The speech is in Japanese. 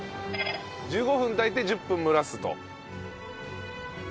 １５分炊いて１０分蒸らすと。